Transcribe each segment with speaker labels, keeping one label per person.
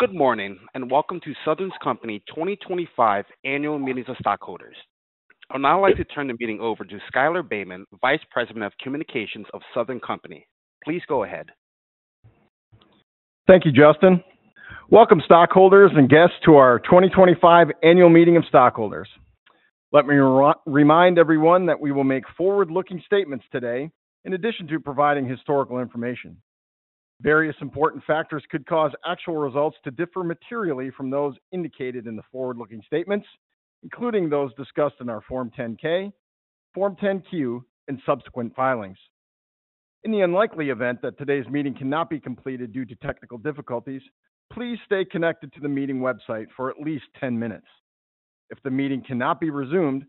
Speaker 1: Good morning and welcome to Southern Company 2025 Annual Meetings of Stockholders. I'd now like to turn the meeting over to Schuyler Baehman, Vice President of Communications of Southern Company. Please go ahead.
Speaker 2: Thank you, Justin. Welcome, stockholders and guests, to our 2025 Annual Meeting of Stockholders. Let me remind everyone that we will make forward-looking statements today in addition to providing historical information. Various important factors could cause actual results to differ materially from those indicated in the forward-looking statements, including those discussed in our Form 10-K, Form 10-Q, and subsequent filings. In the unlikely event that today's meeting cannot be completed due to technical difficulties, please stay connected to the meeting website for at least 10 minutes. If the meeting cannot be resumed,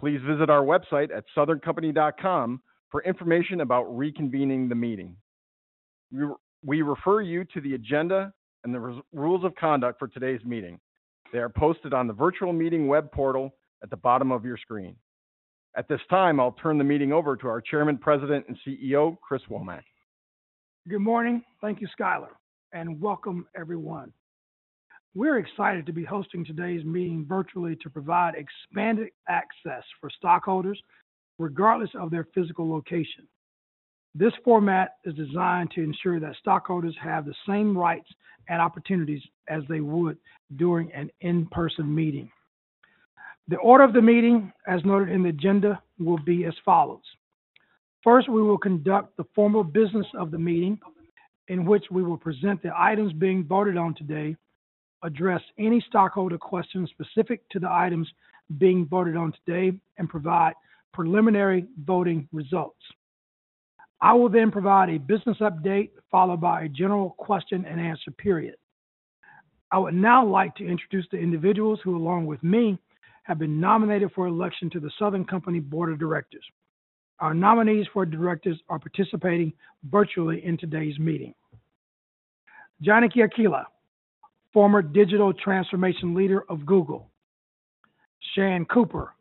Speaker 2: please visit our website at southerncompany.com for information about reconvening the meeting. We refer you to the agenda and the rules of conduct for today's meeting. They are posted on the virtual meeting web portal at the bottom of your screen. At this time, I'll turn the meeting over to our Chairman, President, and CEO, Chris Womack.
Speaker 3: Good morning. Thank you, Skylar, and welcome, everyone. We're excited to be hosting today's meeting virtually to provide expanded access for stockholders regardless of their physical location. This format is designed to ensure that stockholders have the same rights and opportunities as they would during an in-person meeting. The order of the meeting, as noted in the agenda, will be as follows. First, we will conduct the formal business of the meeting, in which we will present the items being voted on today, address any stockholder questions specific to the items being voted on today, and provide preliminary voting results. I will then provide a business update followed by a general question-and-answer period. I would now like to introduce the individuals who, along with me, have been nominated for election to the Southern Company Board of Directors. Our nominees for directors are participating virtually in today's meeting: John Kiyakala, former digital transformation leader of Google; Shantella E. Cooper,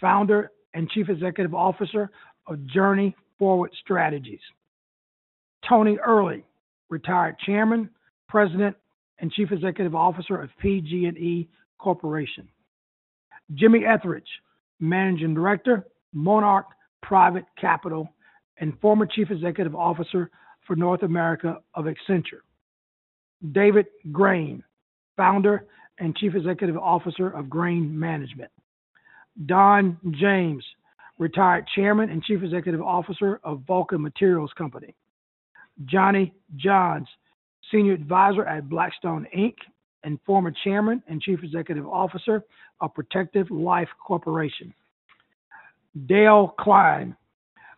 Speaker 3: founder and Chief Executive Officer of Journey Forward Strategies; Anthony F. Earley, Jr., retired Chairman, President, and Chief Executive Officer of PG&E Corporation; J. David Etheridge, Managing Director, Monarch Private Capital, and former Chief Executive Officer for North America of Accenture; David J. Grain, founder and Chief Executive Officer of Green Management; Donald M. James, retired Chairman and Chief Executive Officer of Vulcan Materials Company; John D. Johns, Senior Advisor at Blackstone and former Chairman and Chief Executive Officer of Protective Life Corporation; Dale E. Klein,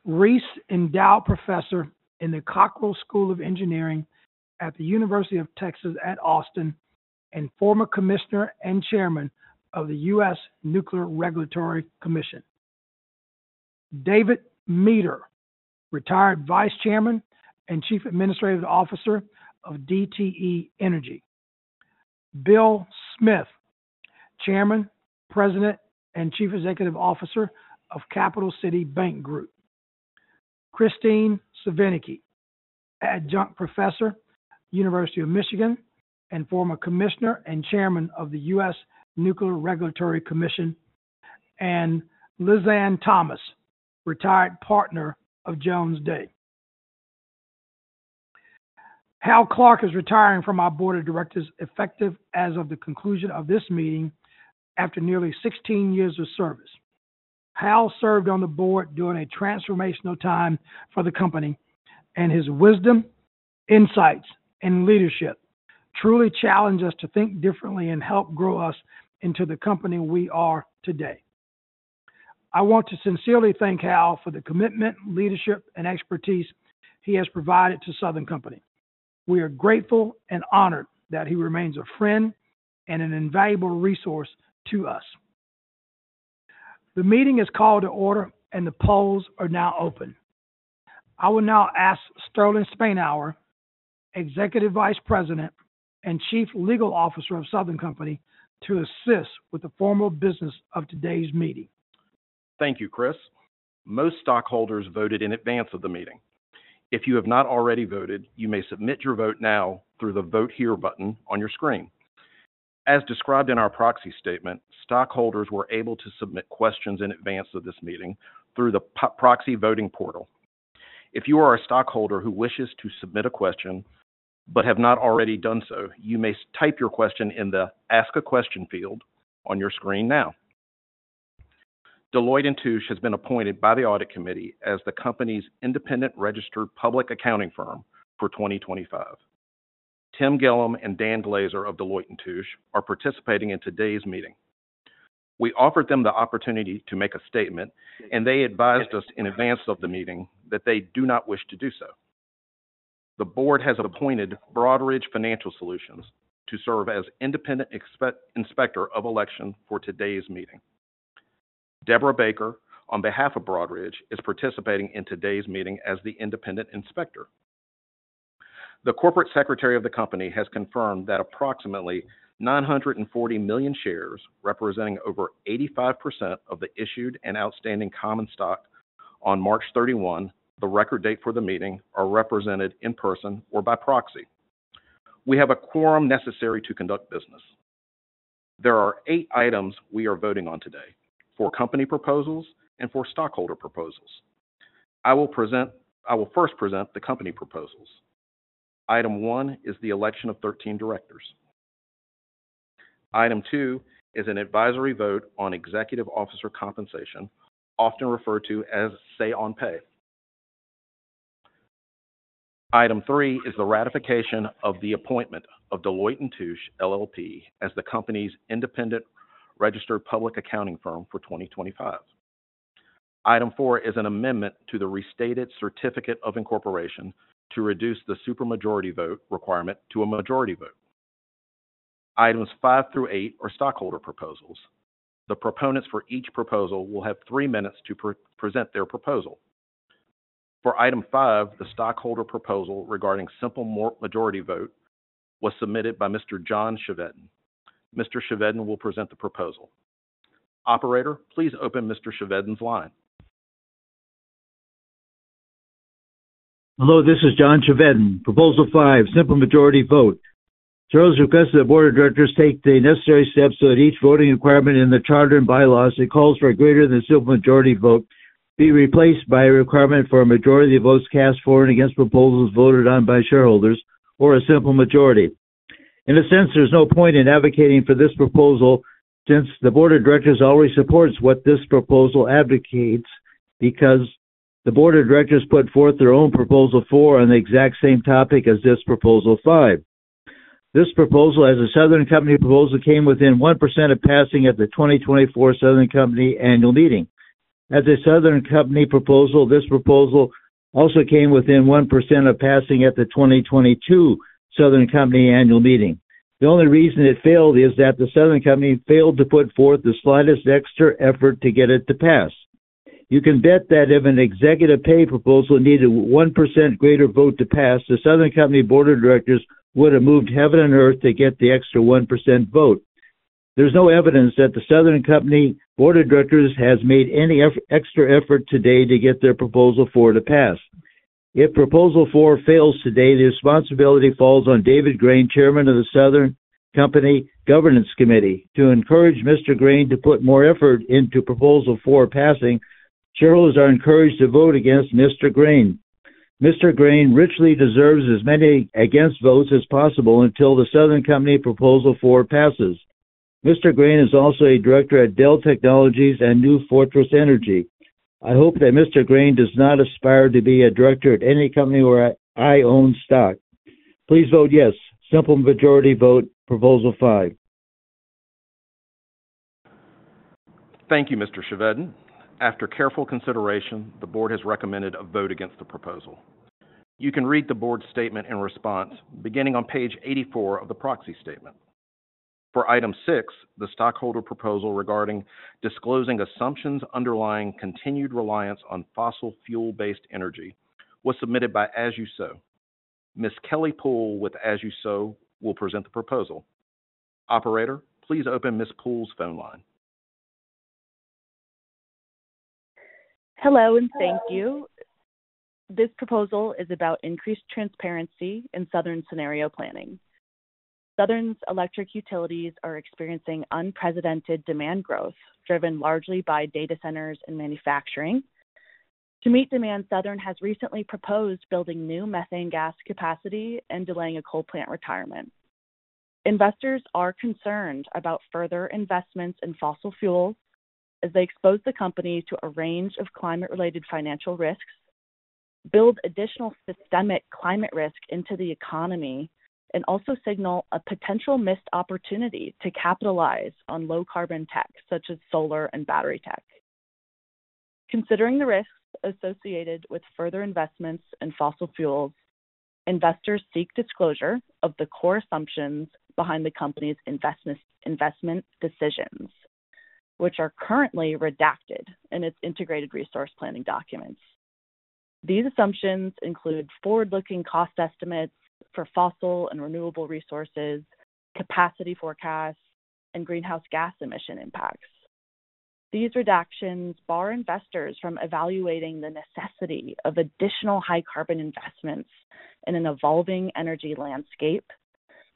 Speaker 3: Reese Endow Professor in the Cockrell School of Engineering at the University of Texas at Austin and former commissioner and chairman of the U.S. Nuclear Regulatory Commission; David Meador, retired vice chairman and chief administrative officer of DTE Energy; William G. Smith, Jr., chairman, president, and chief executive officer of Capital City Bank Group; Kristine L. Svinicki, adjunct professor, University of Michigan, and former commissioner and chairman of the U.S. Nuclear Regulatory Commission; and Lizanne Thomas, retired partner of Jones Day. Henry A. Clark III is retiring from our Board of Directors effective as of the conclusion of this meeting after nearly 16 years of service. Henry served on the board during a transformational time for the company, and his wisdom, insights, and leadership truly challenge us to think differently and help grow us into the company we are today. I want to sincerely thank Henry for the commitment, leadership, and expertise he has provided to Southern Company. We are grateful and honored that he remains a friend and an invaluable resource to us. The meeting is called to order, and the polls are now open. I will now ask Sterling Spainhour, Executive Vice President and Chief Legal Officer of Southern Company, to assist with the formal business of today's meeting.
Speaker 4: Thank you, Chris. Most stockholders voted in advance of the meeting. If you have not already voted, you may submit your vote now through the Vote Here button on your screen. As described in our proxy statement, stockholders were able to submit questions in advance of this meeting through the proxy voting portal. If you are a stockholder who wishes to submit a question but have not already done so, you may type your question in the Ask a Question field on your screen now. Deloitte & Touche has been appointed by the audit committee as the company's independent registered public accounting firm for 2025. Tim Gillum and Dan Glaser of Deloitte & Touche are participating in today's meeting. We offered them the opportunity to make a statement, and they advised us in advance of the meeting that they do not wish to do so. The board has appointed Broadridge Financial Solutions to serve as independent inspector of election for today's meeting. Deborah Baker, on behalf of Broadridge, is participating in today's meeting as the independent inspector. The Corporate Secretary of the company has confirmed that approximately 940 million shares, representing over 85% of the issued and outstanding common stock on March 31, the record date for the meeting, are represented in person or by proxy. We have a quorum necessary to conduct business. There are eight items we are voting on today: four company proposals and four stockholder proposals. I will first present the company proposals. Item one is the election of 13 directors. Item two is an advisory vote on executive officer compensation, often referred to as say-on-pay. Item three is the ratification of the appointment of Deloitte & Touche LLP as the company's independent registered public accounting firm for 2025. Item four is an amendment to the restated certificate of incorporation to reduce the supermajority vote requirement to a majority vote. Items five through eight are stockholder proposals. The proponents for each proposal will have three minutes to present their proposal. For item five, the stockholder proposal regarding simple majority vote was submitted by Mr. John Chevedden. Mr. Chevedden will present the proposal. Operator, please open Mr. Chevedden's line.
Speaker 5: Hello, this is John Chevedden. Proposal five, simple majority vote. Charles requests that board of directors take the necessary steps so that each voting requirement in the charter and bylaws that calls for a greater than simple majority vote be replaced by a requirement for a majority of votes cast for and against proposals voted on by shareholders or a simple majority. In a sense, there's no point in advocating for this proposal since the board of directors always supports what this proposal advocates because the board of directors put forth their own proposal four on the exact same topic as this proposal five. This proposal, as a Southern Company proposal, came within 1% of passing at the 2024 Southern Company annual meeting. As a Southern Company proposal, this proposal also came within 1% of passing at the 2022 Southern Company annual meeting. The only reason it failed is that the Southern Company failed to put forth the slightest extra effort to get it to pass. You can bet that if an executive pay proposal needed 1% greater vote to pass, the Southern Company board of directors would have moved heaven and earth to get the extra 1% vote. There's no evidence that the Southern Company board of directors has made any extra effort today to get their proposal four to pass. If proposal four fails today, the responsibility falls on David J. Grain, chairman of the Southern Company Governance Committee. To encourage Mr. Grain to put more effort into proposal four passing, shareholders are encouraged to vote against Mr. Grain. Mr. Grain richly deserves as many against votes as possible until the Southern Company proposal four passes. Mr. Grain is also a director at Dell Technologies and New Fortress Energy. I hope that Mr. Grain does not aspire to be a director at any company where I own stock. Please vote yes, simple majority vote proposal five.
Speaker 4: Thank you, Mr. Chevedden. After careful consideration, the board has recommended a vote against the proposal. You can read the board statement and response, beginning on page 84 of the proxy statement. For item six, the stockholder proposal regarding disclosing assumptions underlying continued reliance on fossil fuel-based energy was submitted by As You Sow. Ms. Kelly Poole with As You Sow will present the proposal. Operator, please open Ms. Poole's phone line.
Speaker 6: Hello and thank you. This proposal is about increased transparency in Southern's scenario planning. Southern's electric utilities are experiencing unprecedented demand growth driven largely by data centers and manufacturing. To meet demand, Southern has recently proposed building new methane gas capacity and delaying a coal plant retirement. Investors are concerned about further investments in fossil fuels as they expose the company to a range of climate-related financial risks, build additional systemic climate risk into the economy, and also signal a potential missed opportunity to capitalize on low-carbon tech such as solar and battery tech. Considering the risks associated with further investments in fossil fuels, investors seek disclosure of the core assumptions behind the company's investment decisions, which are currently redacted in its integrated resource planning documents. These assumptions include forward-looking cost estimates for fossil and renewable resources, capacity forecasts, and greenhouse gas emission impacts. These redactions bar investors from evaluating the necessity of additional high-carbon investments in an evolving energy landscape,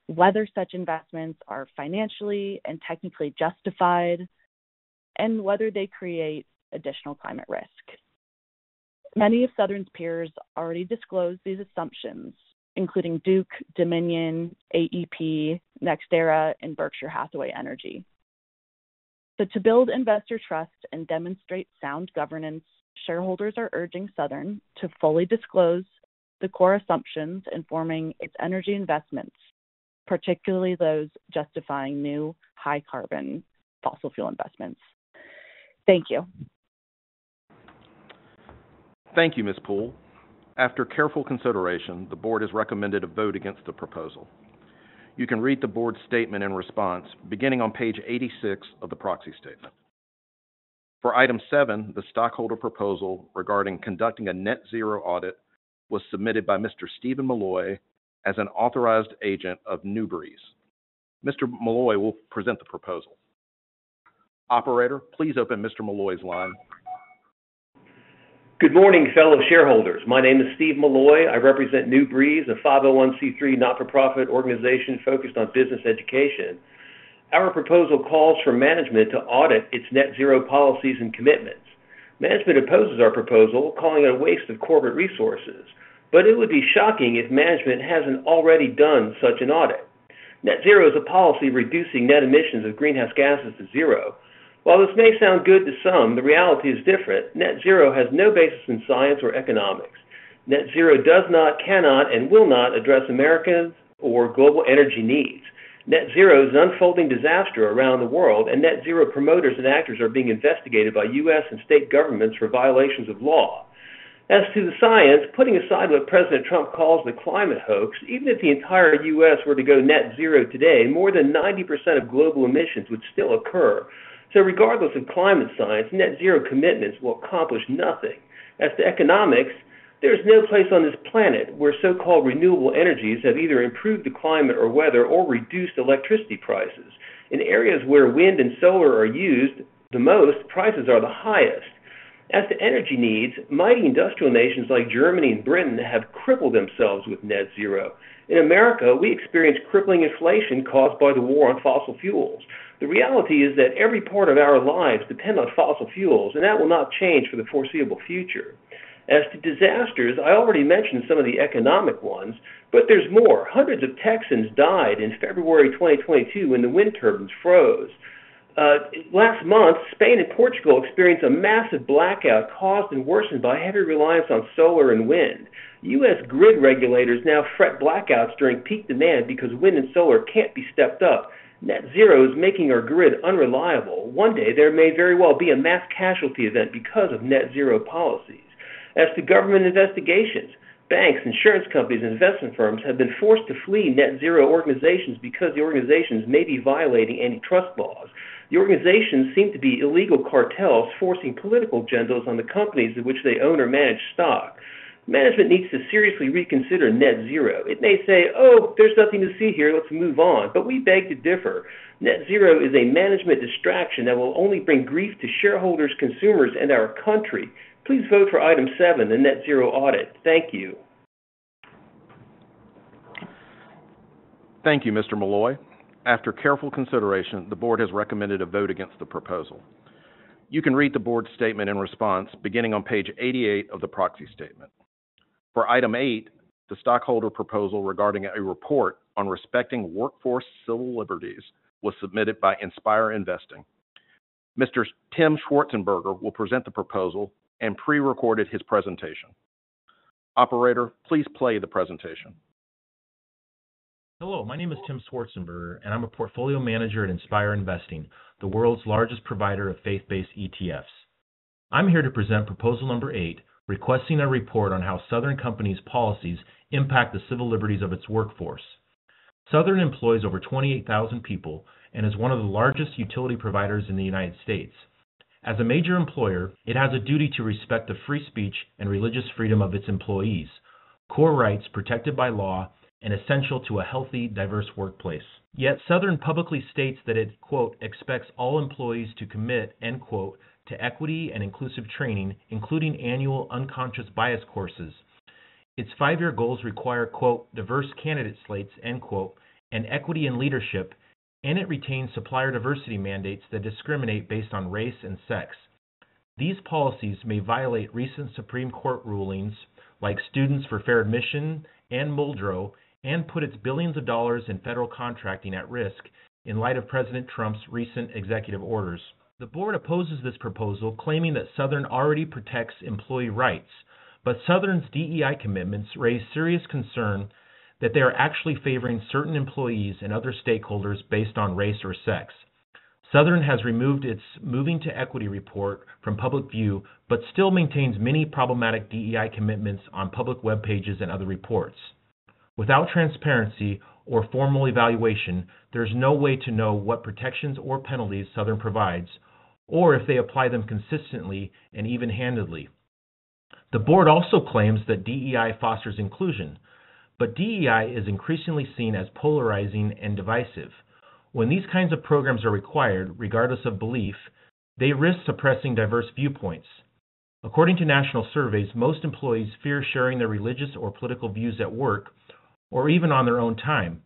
Speaker 6: whether such investments are financially and technically justified, and whether they create additional climate risk. Many of Southern's peers already disclosed these assumptions, including Duke, Dominion, AEP, NextEra, and Berkshire Hathaway Energy. To build investor trust and demonstrate sound governance, shareholders are urging Southern to fully disclose the core assumptions informing its energy investments, particularly those justifying new high-carbon fossil fuel investments. Thank you.
Speaker 4: Thank you, Ms. Poole. After careful consideration, the board has recommended a vote against the proposal. You can read the board statement and response, beginning on page 86 of the proxy statement. For item seven, the stockholder proposal regarding conducting a net-zero audit was submitted by Mr. Stephen Malloy as an authorized agent of Newbury's. Mr. Malloy will present the proposal. Operator, please open Mr. Malloy's line.
Speaker 7: Good morning, fellow shareholders. My name is Stephen Malloy. I represent Newbury's, a 501(c)(3) not-for-profit organization focused on business education. Our proposal calls for management to audit its net-zero policies and commitments. Management opposes our proposal, calling it a waste of corporate resources. It would be shocking if management has not already done such an audit. Net-zero is a policy reducing net emissions of greenhouse gases to zero. While this may sound good to some, the reality is different. Net-zero has no basis in science or economics. Net-zero does not, cannot, and will not address American or global energy needs. Net-zero is an unfolding disaster around the world, and net-zero promoters and actors are being investigated by U.S. and state governments for violations of law. As to the science, putting aside what President Trump calls the climate hoax, even if the entire U.S. were to go net-zero today, more than 90% of global emissions would still occur. So regardless of climate science, net-zero commitments will accomplish nothing. As to economics, there is no place on this planet where so-called renewable energies have either improved the climate or weather or reduced electricity prices. In areas where wind and solar are used the most, prices are the highest. As to energy needs, mighty industrial nations like Germany and Britain have crippled themselves with net-zero. In America, we experience crippling inflation caused by the war on fossil fuels. The reality is that every part of our lives depend on fossil fuels, and that will not change for the foreseeable future. As to disasters, I already mentioned some of the economic ones, but there is more. Hundreds of Texans died in February 2022 when the wind turbines froze. Last month, Spain and Portugal experienced a massive blackout caused and worsened by heavy reliance on solar and wind. U.S. grid regulators now fret blackouts during peak demand because wind and solar can't be stepped up. Net-zero is making our grid unreliable. One day, there may very well be a mass casualty event because of net-zero policies. As to government investigations, banks, insurance companies, and investment firms have been forced to flee net-zero organizations because the organizations may be violating antitrust laws. The organizations seem to be illegal cartels forcing political agendas on the companies of which they own or manage stock. Management needs to seriously reconsider net-zero. It may say, "Oh, there's nothing to see here. Let's move on." We beg to differ. Net-zero is a management distraction that will only bring grief to shareholders, consumers, and our country. Please vote for item seven, the net-zero audit. Thank you.
Speaker 4: Thank you, Mr. Malloy. After careful consideration, the board has recommended a vote against the proposal. You can read the board statement and response, beginning on page 88 of the proxy statement. For item eight, the stockholder proposal regarding a report on respecting workforce civil liberties was submitted by Inspire Investing. Mr. Tim Schwarzenberger will present the proposal and prerecorded his presentation. Operator, please play the presentation.
Speaker 8: Hello. My name is Tim Schwarzenberger, and I'm a portfolio manager at Inspire Investing, the world's largest provider of faith-based ETFs. I'm here to present proposal number eight, requesting a report on how Southern Company's policies impact the civil liberties of its workforce. Southern employs over 28,000 people and is one of the largest utility providers in the United States. As a major employer, it has a duty to respect the free speech and religious freedom of its employees, core rights protected by law and essential to a healthy, diverse workplace. Yet Southern publicly states that it, quote, "expects all employees to commit," end quote, "to equity and inclusive training, including annual unconscious bias courses. Its five-year goals require, quote, "diverse candidate slates," end quote, "and equity in leadership," and it retains supplier diversity mandates that discriminate based on race and sex. These policies may violate recent Supreme Court rulings like Students for Fair Admission and Muldrow and put its billions of dollars in federal contracting at risk in light of President Trump's recent executive orders. The board opposes this proposal, claiming that Southern already protects employee rights, but Southern's DEI commitments raise serious concern that they are actually favoring certain employees and other stakeholders based on race or sex. Southern has removed its Moving to Equity report from public view but still maintains many problematic DEI commitments on public web pages and other reports. Without transparency or formal evaluation, there's no way to know what protections or penalties Southern provides or if they apply them consistently and even handedly. The board also claims that DEI fosters inclusion, but DEI is increasingly seen as polarizing and divisive. When these kinds of programs are required, regardless of belief, they risk suppressing diverse viewpoints. According to national surveys, most employees fear sharing their religious or political views at work or even on their own time.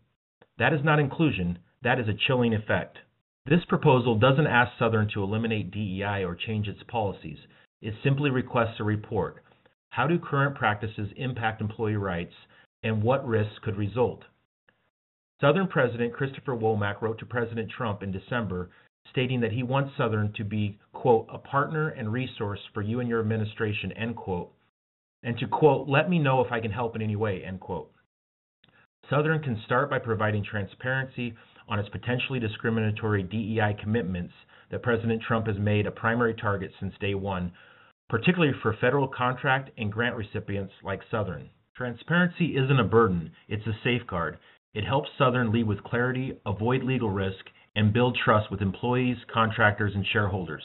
Speaker 8: That is not inclusion. That is a chilling effect. This proposal does not ask Southern to eliminate DEI or change its policies. It simply requests a report. How do current practices impact employee rights and what risks could result? Southern President Christopher Womack wrote to President Trump in December, stating that he wants Southern to be, quote, "a partner and resource for you and your administration," end quote, and to, quote, "let me know if I can help in any way," end quote. Southern can start by providing transparency on its potentially discriminatory DEI commitments that President Trump has made a primary target since day one, particularly for federal contract and grant recipients like Southern. Transparency is not a burden. It is a safeguard. It helps Southern lead with clarity, avoid legal risk, and build trust with employees, contractors, and shareholders.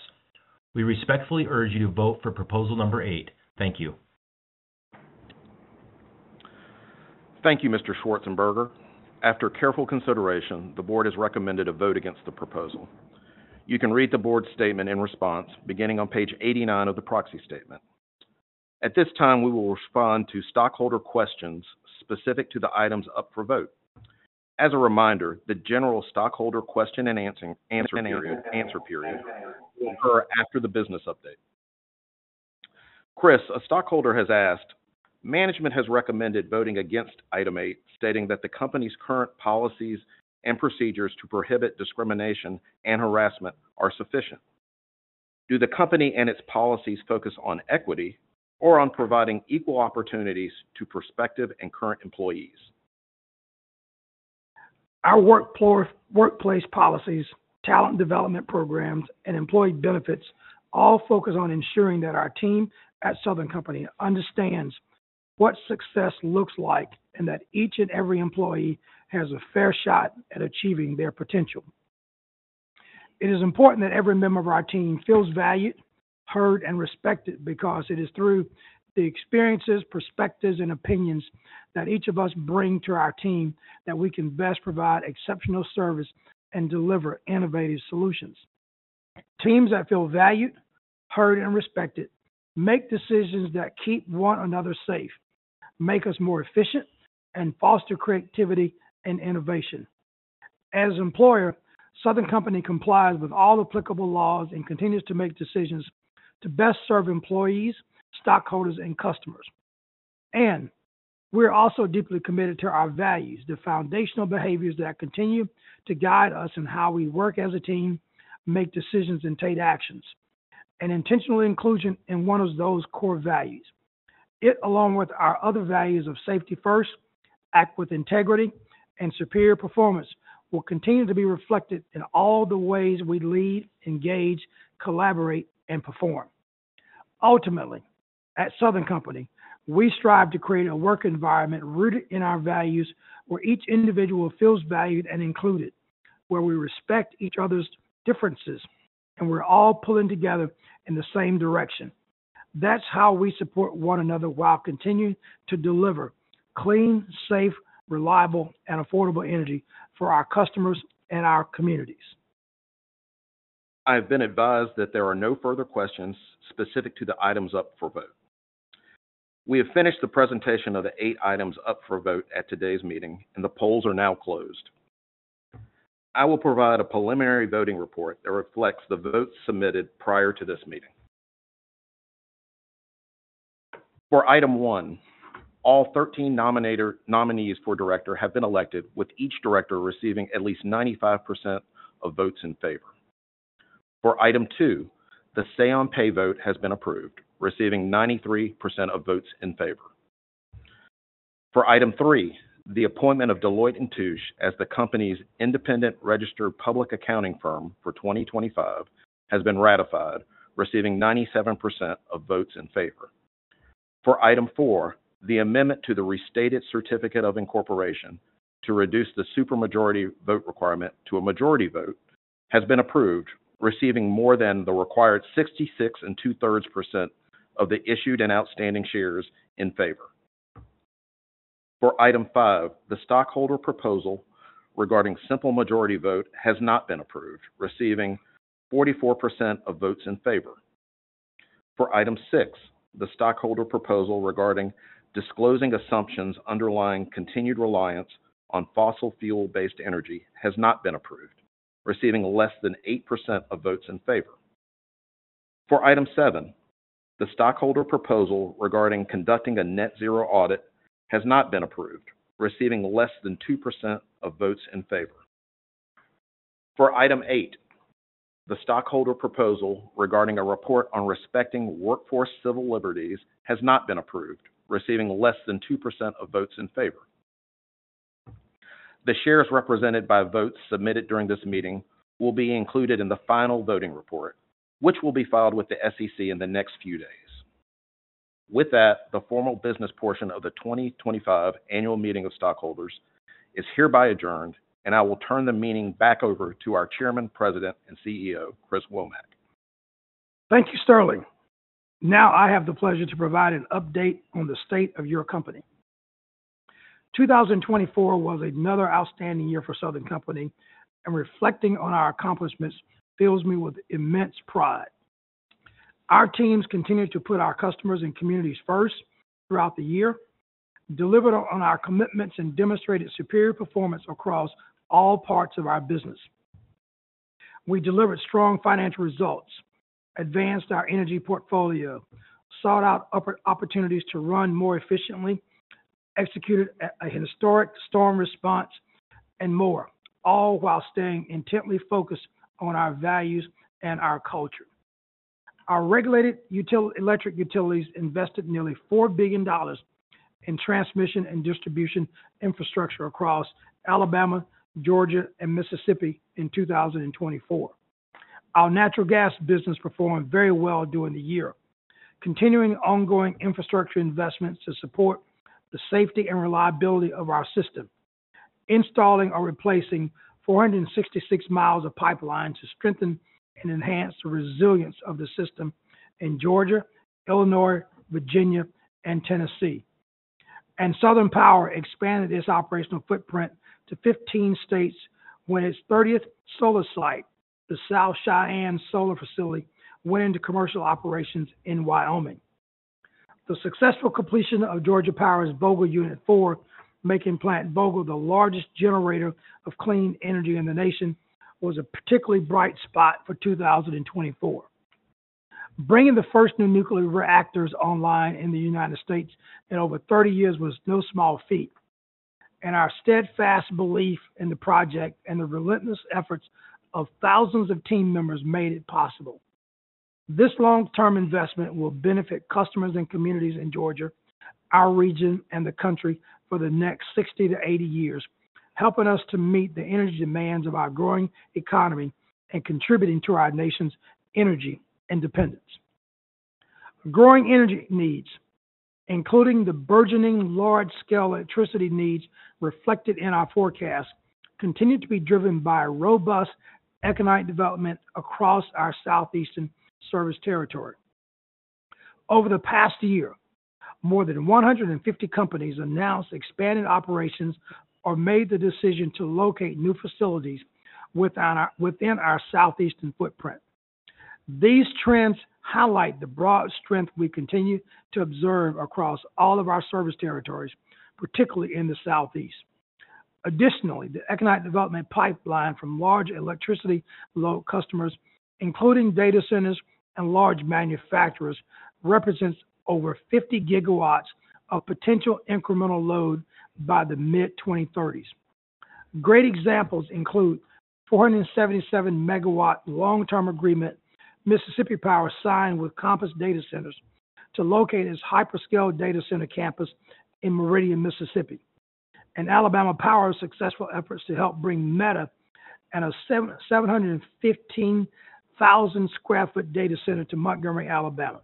Speaker 8: We respectfully urge you to vote for proposal number eight. Thank you.
Speaker 4: Thank you, Mr. Schwarzenberger. After careful consideration, the board has recommended a vote against the proposal. You can read the board statement and response, beginning on page 89 of the proxy statement. At this time, we will respond to stockholder questions specific to the items up for vote. As a reminder, the general stockholder question and answer period will occur after the business update. Chris, a stockholder has asked, management has recommended voting against item eight, stating that the company's current policies and procedures to prohibit discrimination and harassment are sufficient. Do the company and its policies focus on equity or on providing equal opportunities to prospective and current employees?
Speaker 3: Our workplace policies, talent development programs, and employee benefits all focus on ensuring that our team at Southern Company understands what success looks like and that each and every employee has a fair shot at achieving their potential. It is important that every member of our team feels valued, heard, and respected because it is through the experiences, perspectives, and opinions that each of us bring to our team that we can best provide exceptional service and deliver innovative solutions. Teams that feel valued, heard, and respected make decisions that keep one another safe, make us more efficient, and foster creativity and innovation. As an employer, Southern Company complies with all applicable laws and continues to make decisions to best serve employees, stockholders, and customers. We are also deeply committed to our values, the foundational behaviors that continue to guide us in how we work as a team, make decisions, and take actions. Intentional inclusion is one of those core values. It, along with our other values of safety first, act with integrity, and superior performance, will continue to be reflected in all the ways we lead, engage, collaborate, and perform. Ultimately, at Southern Company, we strive to create a work environment rooted in our values where each individual feels valued and included, where we respect each other's differences, and we are all pulling together in the same direction. That is how we support one another while continuing to deliver clean, safe, reliable, and affordable energy for our customers and our communities.
Speaker 4: I have been advised that there are no further questions specific to the items up for vote. We have finished the presentation of the eight items up for vote at today's meeting, and the polls are now closed. I will provide a preliminary voting report that reflects the votes submitted prior to this meeting. For item one, all 13 nominees for director have been elected, with each director receiving at least 95% of votes in favor. For item two, the say-on-pay vote has been approved, receiving 93% of votes in favor. For item three, the appointment of Deloitte & Touche as the company's independent registered public accounting firm for 2025 has been ratified, receiving 97% of votes in favor. For item four, the amendment to the restated certificate of incorporation to reduce the supermajority vote requirement to a majority vote has been approved, receiving more than the required 66 and two-thirds % of the issued and outstanding shares in favor. For item five, the stockholder proposal regarding simple majority vote has not been approved, receiving 44% of votes in favor. For item six, the stockholder proposal regarding disclosing assumptions underlying continued reliance on fossil fuel-based energy has not been approved, receiving less than 8% of votes in favor. For item seven, the stockholder proposal regarding conducting a net-zero audit has not been approved, receiving less than 2% of votes in favor. For item eight, the stockholder proposal regarding a report on respecting workforce civil liberties has not been approved, receiving less than 2% of votes in favor. The shares represented by votes submitted during this meeting will be included in the final voting report, which will be filed with the SEC in the next few days. With that, the formal business portion of the 2025 annual meeting of stockholders is hereby adjourned, and I will turn the meeting back over to our Chairman, President, and CEO, Chris Womack.
Speaker 3: Thank you, Sterling. Now I have the pleasure to provide an update on the state of your company. 2024 was another outstanding year for Southern Company, and reflecting on our accomplishments fills me with immense pride. Our teams continue to put our customers and communities first throughout the year, delivered on our commitments, and demonstrated superior performance across all parts of our business. We delivered strong financial results, advanced our energy portfolio, sought out opportunities to run more efficiently, executed a historic storm response, and more, all while staying intently focused on our values and our culture. Our regulated electric utilities invested nearly $4 billion in transmission and distribution infrastructure across Alabama, Georgia, and Mississippi in 2024. Our natural gas business performed very well during the year, continuing ongoing infrastructure investments to support the safety and reliability of our system, installing or replacing 466 mil of pipelines to strengthen and enhance the resilience of the system in Georgia, Illinois, Virginia, and Tennessee. Southern Power expanded its operational footprint to 15 states when its 30th solar site, the South Cheyenne Solar Facility, went into commercial operations in Wyoming. The successful completion of Georgia Power's Plant Vogtle Unit 4, making Plant Vogtle the largest generator of clean energy in the nation, was a particularly bright spot for 2024. Bringing the first new nuclear reactors online in the United States in over 30 years was no small feat. Our steadfast belief in the project and the relentless efforts of thousands of team members made it possible. This long-term investment will benefit customers and communities in Georgia, our region, and the country for the next 60-80 years, helping us to meet the energy demands of our growing economy and contributing to our nation's energy independence. Growing energy needs, including the burgeoning large-scale electricity needs reflected in our forecast, continue to be driven by robust economic development across our southeastern service territory. Over the past year, more than 150 companies announced expanded operations or made the decision to locate new facilities within our southeastern footprint. These trends highlight the broad strength we continue to observe across all of our service territories, particularly in the Southeast. Additionally, the economic development pipeline from large electricity load customers, including data centers and large manufacturers, represents over 50 gigawatts of potential incremental load by the mid-2030s. Great examples include the 477-megawatt long-term agreement Mississippi Power signed with Compass Data Centers to locate its hyperscale data center campus in Meridian, Mississippi, and Alabama Power's successful efforts to help bring Meta and a 715,000 sq ft data center to Montgomery, Alabama.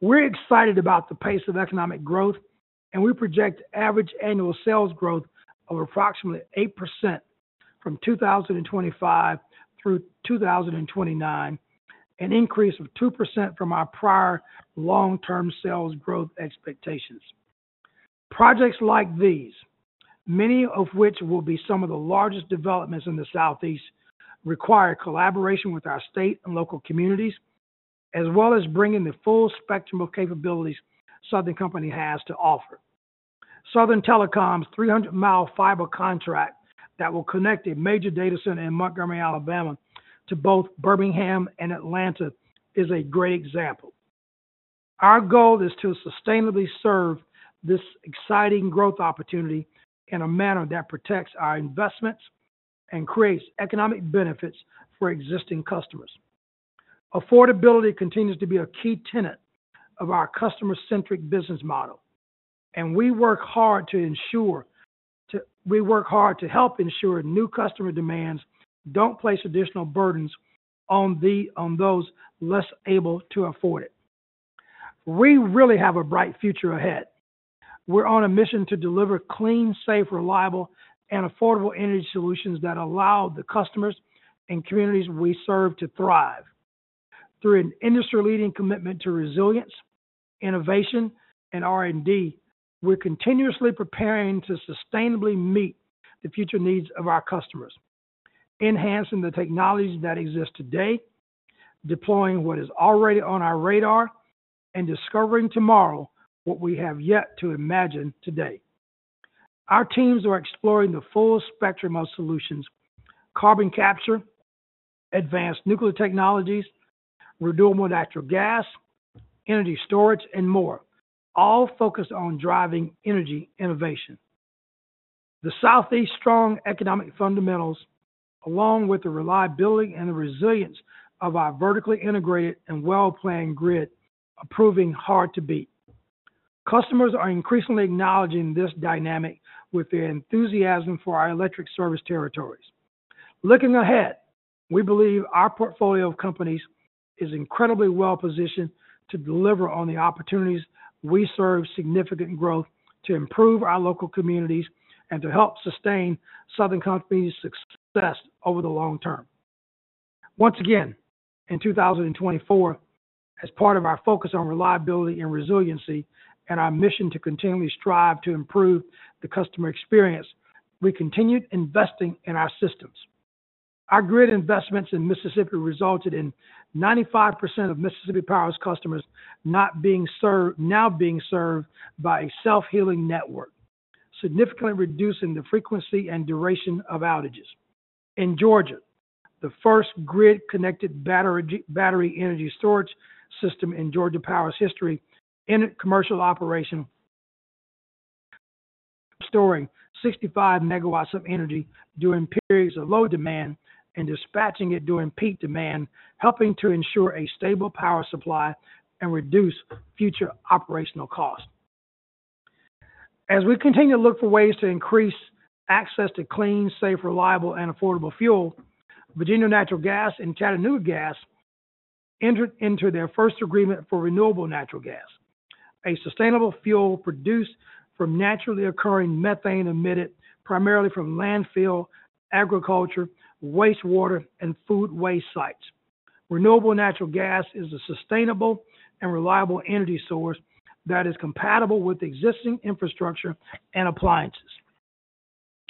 Speaker 3: We're excited about the pace of economic growth, and we project average annual sales growth of approximately 8% from 2025 through 2029, an increase of 2% from our prior long-term sales growth expectations. Projects like these, many of which will be some of the largest developments in the Southeast, require collaboration with our state and local communities, as well as bringing the full spectrum of capabilities Southern Company has to offer. Southern Telecom's 300 mi fiber contract that will connect a major data center in Montgomery, Alabama, to both Birmingham and Atlanta is a great example. Our goal is to sustainably serve this exciting growth opportunity in a manner that protects our investments and creates economic benefits for existing customers. Affordability continues to be a key tenet of our customer-centric business model. We work hard to help ensure new customer demands do not place additional burdens on those less able to afford it. We really have a bright future ahead. We are on a mission to deliver clean, safe, reliable, and affordable energy solutions that allow the customers and communities we serve to thrive. Through an industry-leading commitment to resilience, innovation, and R&D, we are continuously preparing to sustainably meet the future needs of our customers, enhancing the technologies that exist today, deploying what is already on our radar, and discovering tomorrow what we have yet to imagine today. Our teams are exploring the full spectrum of solutions: carbon capture, advanced nuclear technologies, renewable natural gas, energy storage, and more, all focused on driving energy innovation. The Southeast's strong economic fundamentals, along with the reliability and the resilience of our vertically integrated and well-planned grid, are proving hard to beat. Customers are increasingly acknowledging this dynamic with their enthusiasm for our electric service territories. Looking ahead, we believe our portfolio of companies is incredibly well-positioned to deliver on the opportunities we serve, significant growth to improve our local communities, and to help sustain Southern Company's success over the long term. Once again, in 2024, as part of our focus on reliability and resiliency and our mission to continually strive to improve the customer experience, we continued investing in our systems. Our grid investments in Mississippi resulted in 95% of Mississippi Power's customers now being served by a self-healing network, significantly reducing the frequency and duration of outages. In Georgia, the first grid-connected battery energy storage system in Georgia Power's history entered commercial operation, storing 65 megawatts of energy during periods of low demand and dispatching it during peak demand, helping to ensure a stable power supply and reduce future operational costs. As we continue to look for ways to increase access to clean, safe, reliable, and affordable fuel, Virginia Natural Gas and Chattanooga Gas entered into their first agreement for renewable natural gas, a sustainable fuel produced from naturally occurring methane emitted primarily from landfill, agriculture, wastewater, and food waste sites. Renewable natural gas is a sustainable and reliable energy source that is compatible with existing infrastructure and appliances.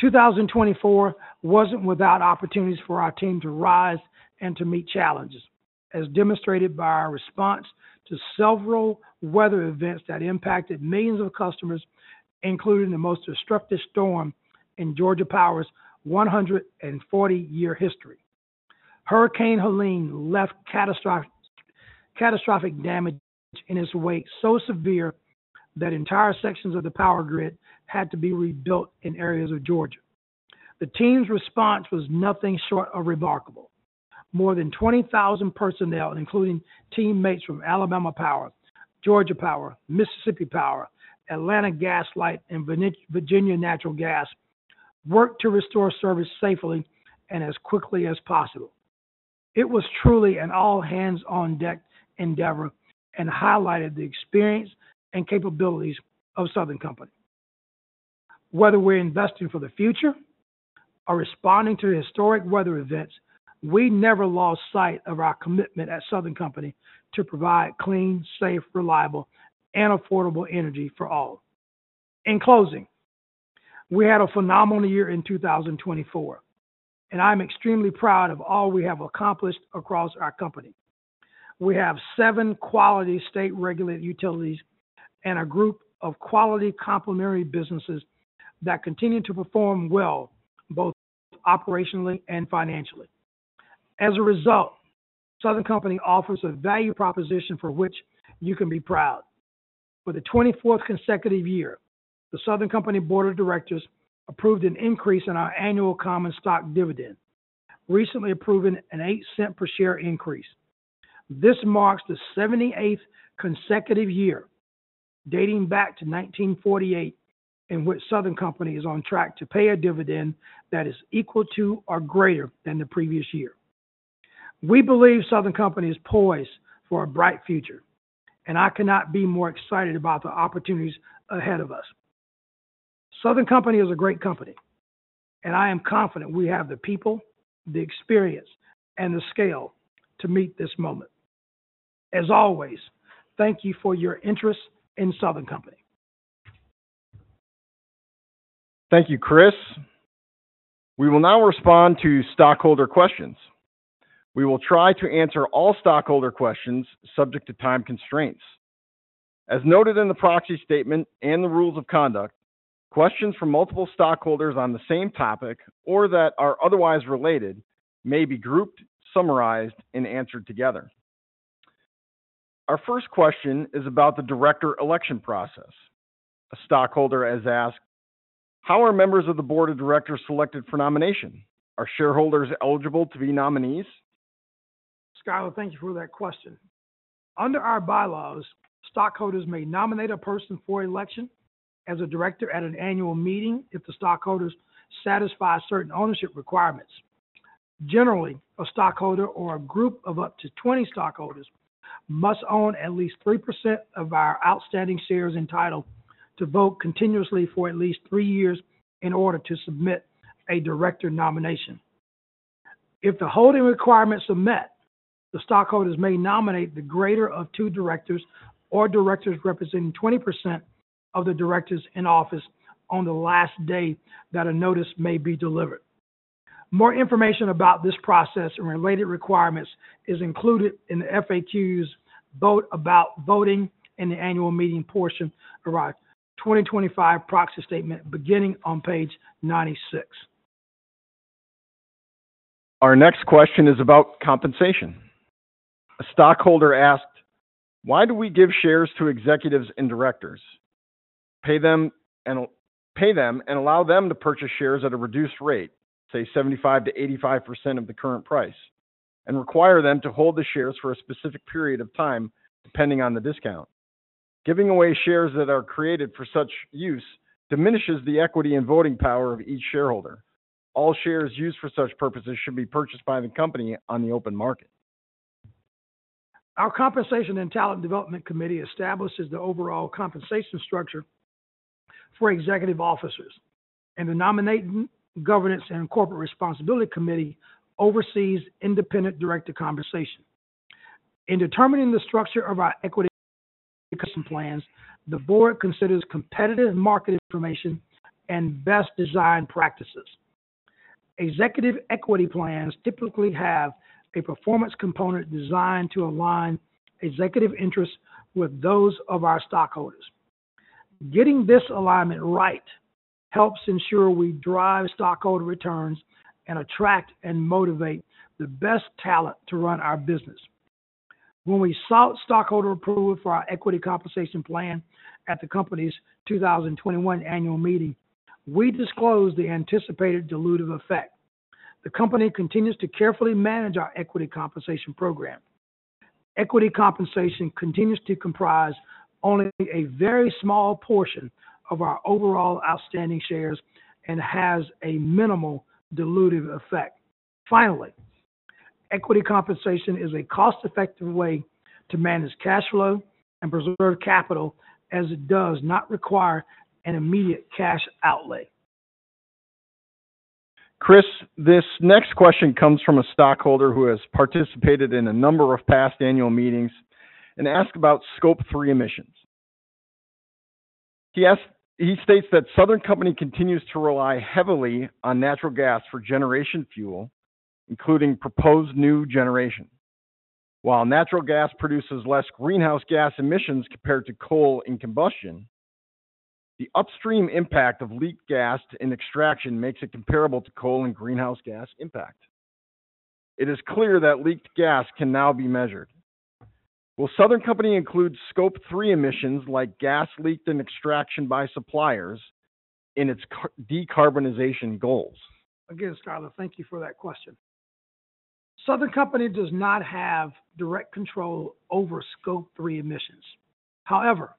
Speaker 3: 2024 wasn't without opportunities for our team to rise and to meet challenges, as demonstrated by our response to several weather events that impacted millions of customers, including the most destructive storm in Georgia Power's 140-year history. Hurricane Helene left catastrophic damage in its wake so severe that entire sections of the power grid had to be rebuilt in areas of Georgia. The team's response was nothing short of remarkable. More than 20,000 personnel, including teammates from Alabama Power, Georgia Power, Mississippi Power, Atlanta Gas Light, and Virginia Natural Gas, worked to restore service safely and as quickly as possible. It was truly an all-hands-on-deck endeavor and highlighted the experience and capabilities of Southern Company. Whether we're investing for the future or responding to historic weather events, we never lost sight of our commitment at Southern Company to provide clean, safe, reliable, and affordable energy for all. In closing, we had a phenomenal year in 2024, and I'm extremely proud of all we have accomplished across our company. We have seven quality state-regulated utilities and a group of quality complementary businesses that continue to perform well, both operationally and financially. As a result, Southern Company offers a value proposition for which you can be proud. For the 24th consecutive year, the Southern Company Board of Directors approved an increase in our annual common stock dividend, recently approving an $0.08 per share increase. This marks the 78th consecutive year dating back to 1948, in which Southern Company is on track to pay a dividend that is equal to or greater than the previous year. We believe Southern Company is poised for a bright future, and I cannot be more excited about the opportunities ahead of us. Southern Company is a great company, and I am confident we have the people, the experience, and the scale to meet this moment. As always, thank you for your interest in Southern Company.
Speaker 2: Thank you, Chris. We will now respond to stockholder questions. We will try to answer all stockholder questions subject to time constraints. As noted in the proxy statement and the rules of conduct, questions from multiple stockholders on the same topic or that are otherwise related may be grouped, summarized, and answered together. Our first question is about the director election process. A stockholder has asked, "How are members of the board of directors selected for nomination? Are shareholders eligible to be nominees?
Speaker 3: Skylar, thank you for that question. Under our bylaws, stockholders may nominate a person for election as a director at an annual meeting if the stockholders satisfy certain ownership requirements. Generally, a stockholder or a group of up to 20 stockholders must own at least 3% of our outstanding shares entitled to vote continuously for at least three years in order to submit a director nomination. If the holding requirements are met, the stockholders may nominate the greater of two directors or directors representing 20% of the directors in office on the last day that a notice may be delivered. More information about this process and related requirements is included in the FAQs about voting in the annual meeting portion of our 2025 proxy statement, beginning on page 96.
Speaker 2: Our next question is about compensation. A stockholder asked, "Why do we give shares to executives and directors? Pay them and allow them to purchase shares at a reduced rate, say 75-85% of the current price, and require them to hold the shares for a specific period of time depending on the discount? Giving away shares that are created for such use diminishes the equity and voting power of each shareholder. All shares used for such purposes should be purchased by the company on the open market.
Speaker 3: Our Compensation and Talent Development Committee establishes the overall compensation structure for executive officers, and the Nominating Governance and Corporate Responsibility Committee oversees independent director compensation. In determining the structure of our equity custom plans, the board considers competitive market information and best design practices. Executive equity plans typically have a performance component designed to align executive interests with those of our stockholders. Getting this alignment right helps ensure we drive stockholder returns and attract and motivate the best talent to run our business. When we sought stockholder approval for our equity compensation plan at the company's 2021 annual meeting, we disclosed the anticipated dilutive effect. The company continues to carefully manage our equity compensation program. Equity compensation continues to comprise only a very small portion of our overall outstanding shares and has a minimal dilutive effect. Finally, equity compensation is a cost-effective way to manage cash flow and preserve capital as it does not require an immediate cash outlay.
Speaker 2: Chris, this next question comes from a stockholder who has participated in a number of past annual meetings and asks about scope three emissions. He states that Southern Company continues to rely heavily on natural gas for generation fuel, including proposed new generation. While natural gas produces less greenhouse gas emissions compared to coal and combustion, the upstream impact of leaked gas in extraction makes it comparable to coal in greenhouse gas impact. It is clear that leaked gas can now be measured. Will Southern Company include scope three emissions like gas leaked in extraction by suppliers in its decarbonization goals?
Speaker 3: Again, Skylar, thank you for that question. Southern Company does not have direct control over scope three emissions. However,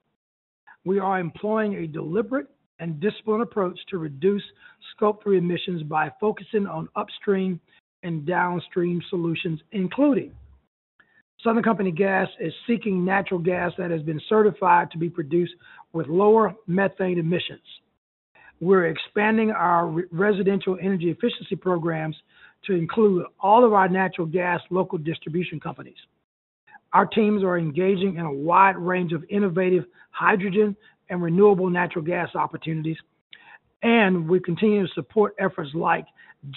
Speaker 3: we are employing a deliberate and disciplined approach to reduce scope three emissions by focusing on upstream and downstream solutions, including Southern Company Gas is seeking natural gas that has been certified to be produced with lower methane emissions. We're expanding our residential energy efficiency programs to include all of our natural gas local distribution companies. Our teams are engaging in a wide range of innovative hydrogen and renewable natural gas opportunities, and we continue to support efforts like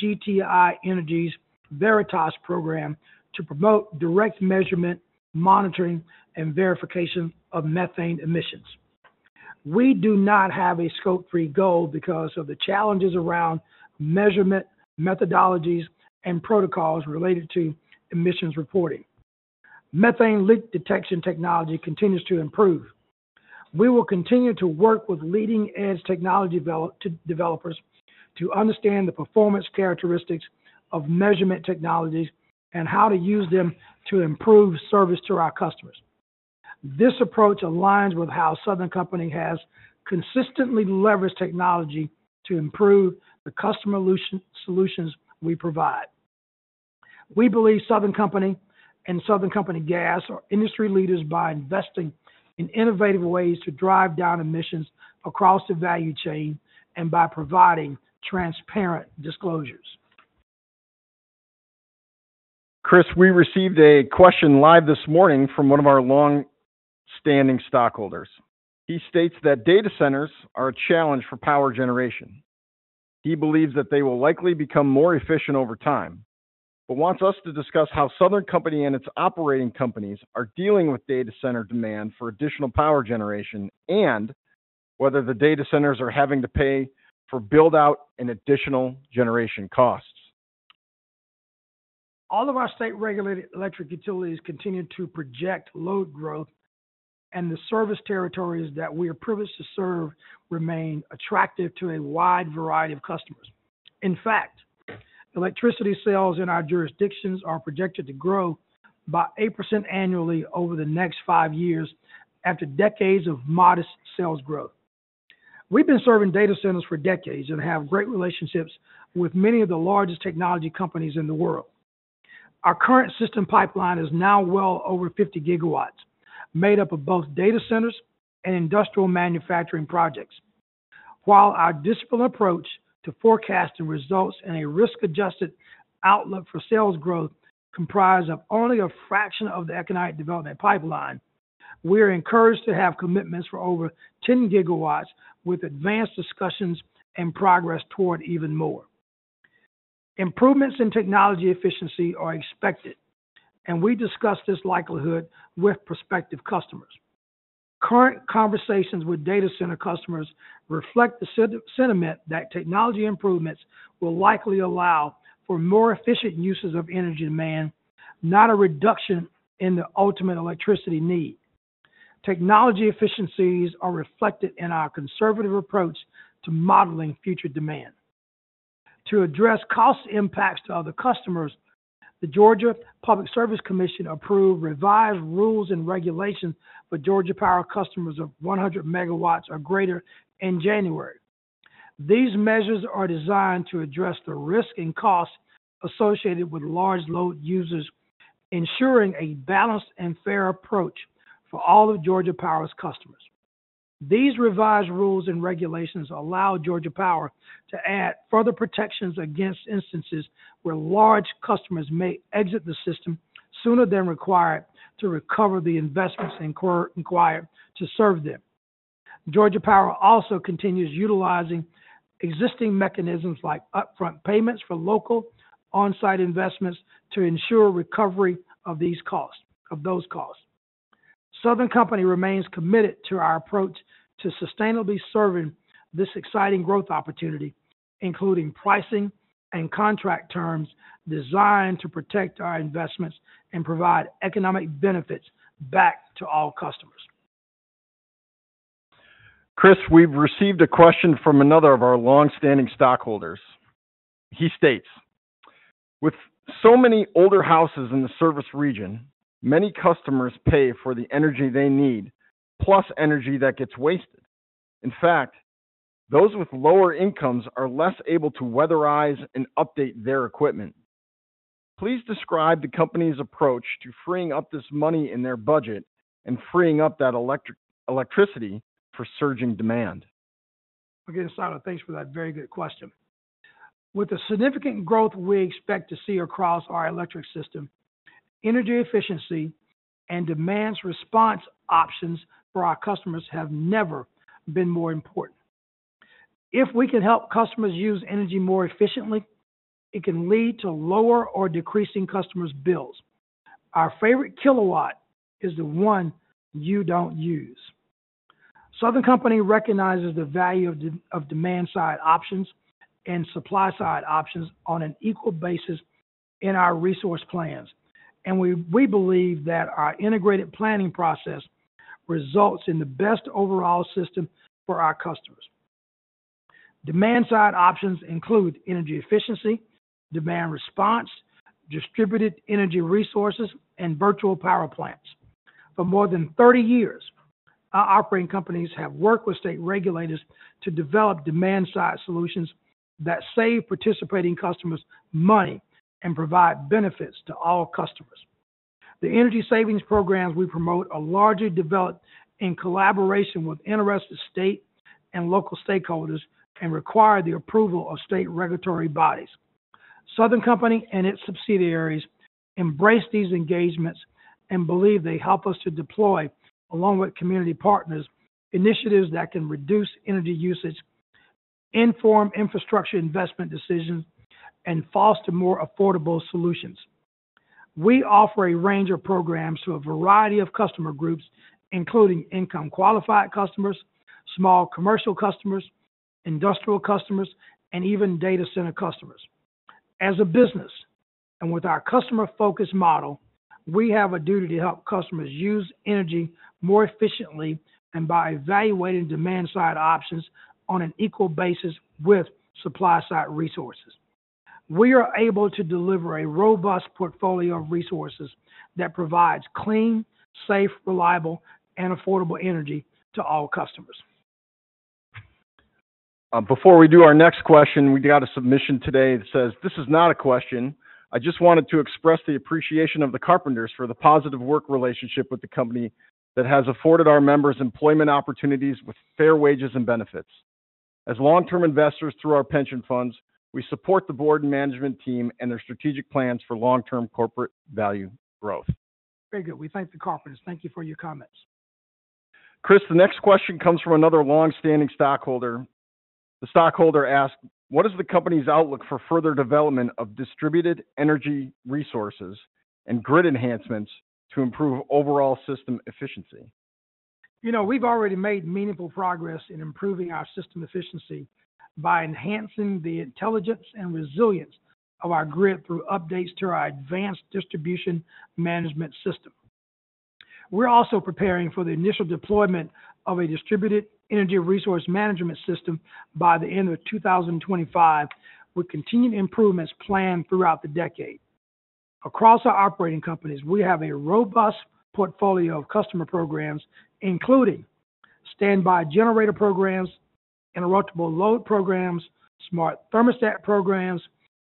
Speaker 3: GTI Energy's Veritas program to promote direct measurement, monitoring, and verification of methane emissions. We do not have a scope three goal because of the challenges around measurement methodologies and protocols related to emissions reporting. Methane leak detection technology continues to improve. We will continue to work with leading-edge technology developers to understand the performance characteristics of measurement technologies and how to use them to improve service to our customers. This approach aligns with how Southern Company has consistently leveraged technology to improve the customer solutions we provide. We believe Southern Company and Southern Company Gas are industry leaders by investing in innovative ways to drive down emissions across the value chain and by providing transparent disclosures.
Speaker 2: Chris, we received a question live this morning from one of our long-standing stockholders. He states that data centers are a challenge for power generation. He believes that they will likely become more efficient over time but wants us to discuss how Southern Company and its operating companies are dealing with data center demand for additional power generation and whether the data centers are having to pay for build-out and additional generation costs.
Speaker 3: All of our state-regulated electric utilities continue to project load growth, and the service territories that we are privileged to serve remain attractive to a wide variety of customers. In fact, electricity sales in our jurisdictions are projected to grow by 8% annually over the next five years after decades of modest sales growth. We've been serving data centers for decades and have great relationships with many of the largest technology companies in the world. Our current system pipeline is now well over 50 gigawatts, made up of both data centers and industrial manufacturing projects. While our disciplined approach to forecasting results in a risk-adjusted outlook for sales growth comprises only a fraction of the economic development pipeline, we are encouraged to have commitments for over 10 gigawatts with advanced discussions and progress toward even more. Improvements in technology efficiency are expected, and we discuss this likelihood with prospective customers. Current conversations with data center customers reflect the sentiment that technology improvements will likely allow for more efficient uses of energy demand, not a reduction in the ultimate electricity need. Technology efficiencies are reflected in our conservative approach to modeling future demand. To address cost impacts to other customers, the Georgia Public Service Commission approved revised rules and regulations for Georgia Power customers of 100 megawatts or greater in January. These measures are designed to address the risk and cost associated with large load users, ensuring a balanced and fair approach for all of Georgia Power's customers. These revised rules and regulations allow Georgia Power to add further protections against instances where large customers may exit the system sooner than required to recover the investments incurred to serve them. Georgia Power also continues utilizing existing mechanisms like upfront payments for local on-site investments to ensure recovery of those costs. Southern Company remains committed to our approach to sustainably serving this exciting growth opportunity, including pricing and contract terms designed to protect our investments and provide economic benefits back to all customers.
Speaker 2: Chris, we've received a question from another of our long-standing stockholders. He states, "With so many older houses in the service region, many customers pay for the energy they need, plus energy that gets wasted. In fact, those with lower incomes are less able to weatherize and update their equipment. Please describe the company's approach to freeing up this money in their budget and freeing up that electricity for surging demand.
Speaker 3: Again, Skylar, thanks for that very good question. With the significant growth we expect to see across our electric system, energy efficiency and demand response options for our customers have never been more important. If we can help customers use energy more efficiently, it can lead to lower or decreasing customers' bills. Our favorite kilowatt is the one you don't use. Southern Company recognizes the value of demand-side options and supply-side options on an equal basis in our resource plans, and we believe that our integrated planning process results in the best overall system for our customers. Demand-side options include energy efficiency, demand response, distributed energy resources, and virtual power plants. For more than 30 years, our operating companies have worked with state regulators to develop demand-side solutions that save participating customers money and provide benefits to all customers. The energy savings programs we promote are largely developed in collaboration with interested state and local stakeholders and require the approval of state regulatory bodies. Southern Company and its subsidiaries embrace these engagements and believe they help us to deploy, along with community partners, initiatives that can reduce energy usage, inform infrastructure investment decisions, and foster more affordable solutions. We offer a range of programs to a variety of customer groups, including income-qualified customers, small commercial customers, industrial customers, and even data center customers. As a business and with our customer-focused model, we have a duty to help customers use energy more efficiently and by evaluating demand-side options on an equal basis with supply-side resources. We are able to deliver a robust portfolio of resources that provides clean, safe, reliable, and affordable energy to all customers.
Speaker 2: Before we do our next question, we got a submission today that says, "This is not a question. I just wanted to express the appreciation of the carpenters for the positive work relationship with the company that has afforded our members employment opportunities with fair wages and benefits. As long-term investors through our pension funds, we support the board and management team and their strategic plans for long-term corporate value growth.
Speaker 3: Very good. We thank the carpenters. Thank you for your comments.
Speaker 2: Chris, the next question comes from another long-standing stockholder. The stockholder asked, "What is the company's outlook for further development of distributed energy resources and grid enhancements to improve overall system efficiency?
Speaker 3: You know, we've already made meaningful progress in improving our system efficiency by enhancing the intelligence and resilience of our grid through updates to our advanced distribution management system. We're also preparing for the initial deployment of a distributed energy resource management system by the end of 2025 with continued improvements planned throughout the decade. Across our operating companies, we have a robust portfolio of customer programs, including standby generator programs, interruptible load programs, smart thermostat programs,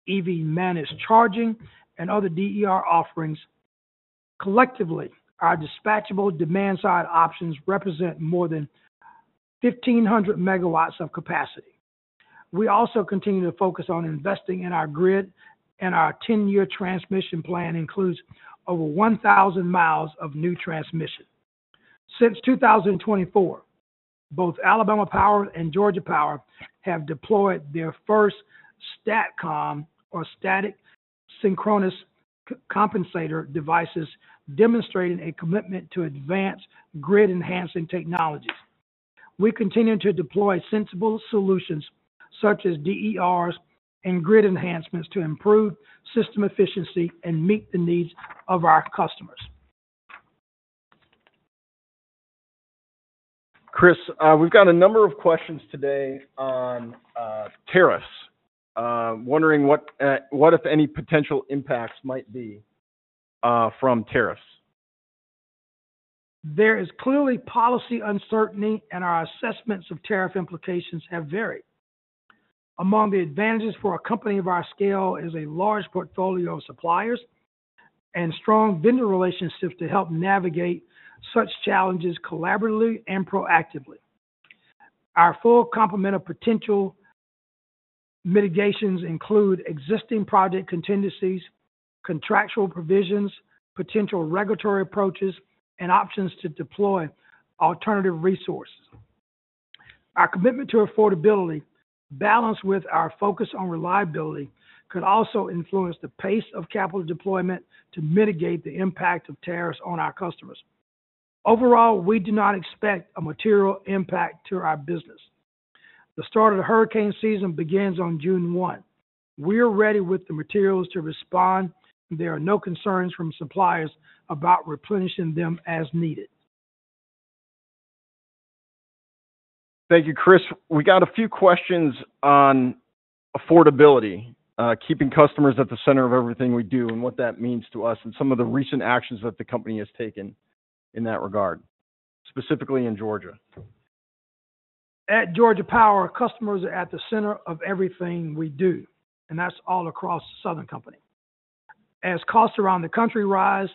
Speaker 3: EV managed charging, and other DER offerings. Collectively, our dispatchable demand-side options represent more than 1,500 megawatts of capacity. We also continue to focus on investing in our grid, and our 10-year transmission plan includes over 1,000 miles of new transmission. Since 2024, both Alabama Power and Georgia Power have deployed their first STATCOM, or static synchronous compensator devices, demonstrating a commitment to advanced grid-enhancing technologies. We continue to deploy sensible solutions such as DERs and grid enhancements to improve system efficiency and meet the needs of our customers.
Speaker 2: Chris, we've got a number of questions today on tariffs, wondering what, if any, potential impacts might be from tariffs.
Speaker 3: There is clearly policy uncertainty, and our assessments of tariff implications have varied. Among the advantages for a company of our scale is a large portfolio of suppliers and strong vendor relationships to help navigate such challenges collaboratively and proactively. Our full complement of potential mitigations include existing project contingencies, contractual provisions, potential regulatory approaches, and options to deploy alternative resources. Our commitment to affordability, balanced with our focus on reliability, could also influence the pace of capital deployment to mitigate the impact of tariffs on our customers. Overall, we do not expect a material impact to our business. The start of the hurricane season begins on June 1. We are ready with the materials to respond, and there are no concerns from suppliers about replenishing them as needed.
Speaker 2: Thank you, Chris. We got a few questions on affordability, keeping customers at the center of everything we do and what that means to us, and some of the recent actions that the company has taken in that regard, specifically in Georgia.
Speaker 3: At Georgia Power, customers are at the center of everything we do, and that is all across Southern Company. As costs around the country rise,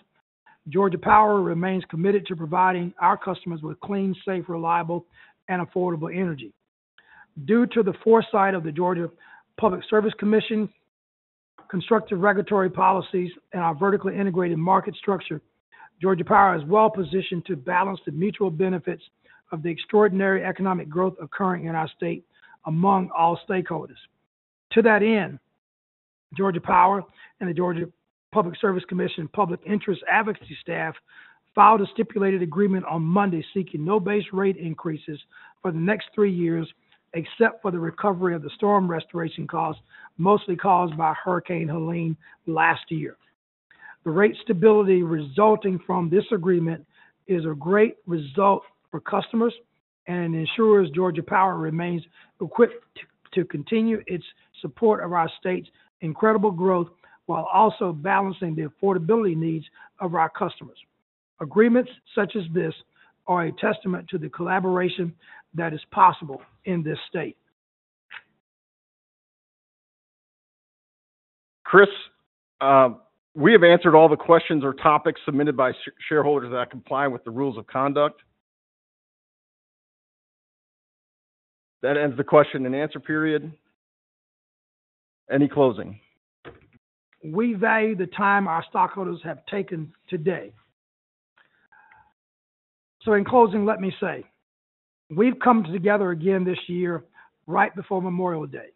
Speaker 3: Georgia Power remains committed to providing our customers with clean, safe, reliable, and affordable energy. Due to the foresight of the Georgia Public Service Commission, constructive regulatory policies, and our vertically integrated market structure, Georgia Power is well positioned to balance the mutual benefits of the extraordinary economic growth occurring in our state among all stakeholders. To that end, Georgia Power and the Georgia Public Service Commission public interest advocacy staff filed a stipulated agreement on Monday seeking no base rate increases for the next three years except for the recovery of the storm restoration costs mostly caused by Hurricane Helene last year. The rate stability resulting from this agreement is a great result for customers, and it ensures Georgia Power remains equipped to continue its support of our state's incredible growth while also balancing the affordability needs of our customers. Agreements such as this are a testament to the collaboration that is possible in this state.
Speaker 2: Chris, we have answered all the questions or topics submitted by shareholders that comply with the rules of conduct. That ends the question and answer period. Any closing?
Speaker 3: We value the time our stockholders have taken today. In closing, let me say, we've come together again this year right before Memorial Day.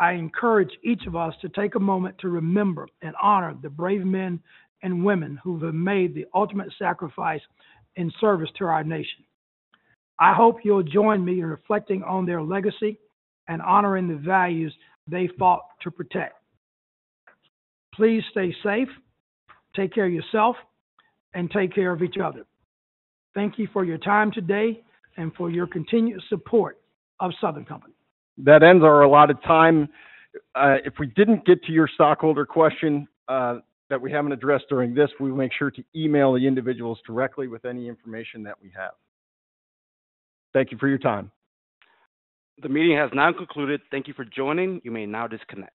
Speaker 3: I encourage each of us to take a moment to remember and honor the brave men and women who have made the ultimate sacrifice in service to our nation. I hope you'll join me in reflecting on their legacy and honoring the values they fought to protect. Please stay safe, take care of yourself, and take care of each other. Thank you for your time today and for your continued support of Southern Company.
Speaker 2: That ends our allotted time. If we did not get to your stockholder question that we have not addressed during this, we will make sure to email the individuals directly with any information that we have. Thank you for your time.
Speaker 1: The meeting has now concluded. Thank you for joining. You may now disconnect.